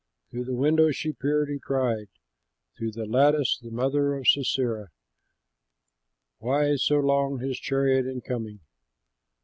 "Through the window she peered and cried, Through the lattice, the mother of Sisera: 'Why so long his chariot in coming?